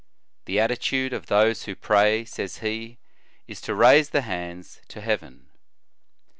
"The attitude of those who pray," says he, "is to raise the hands to heaven."